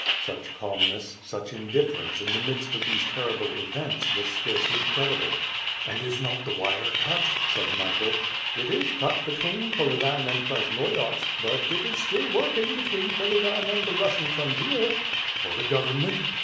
Such calmness, such indifference, in the midst of these terrible events, was scarcely credible. "And is not the wire cut?" said Michael. "It is cut between Kolyvan and Krasnoiarsk, but it is still working between Kolyvan and the Russian frontier." "For the government?"